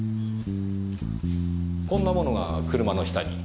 こんなものが車の下に。